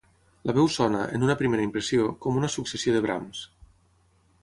La veu sona, en una primera impressió, com una successió de brams.